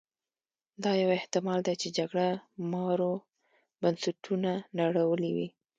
دا یو احتما ل دی چې جګړه مارو بنسټونه نړولي وي.